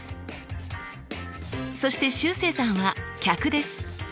そしてしゅうせいさんは客です。